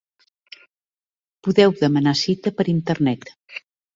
Podeu demanar cita per Internet.